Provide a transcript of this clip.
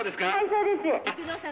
そうです」